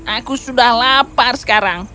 aku sudah lapar sekarang